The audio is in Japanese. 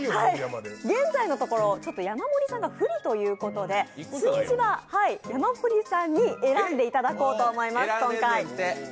現在のところ、山盛りさんが不利ということで数字は山盛りさんに選んでいただこうと思います、今回。